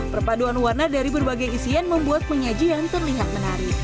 perpaduan warna dari berbagai isian membuat penyajian terlihat menarik